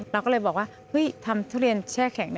เราก็เลยบอกว่าทำทุเรียนแช่แข็ง